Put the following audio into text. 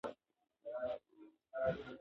یاقوت د افغانستان د اقتصادي منابعو ارزښت زیاتوي.